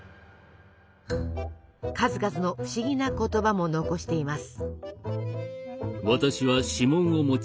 数々の不思議な言葉も残しています。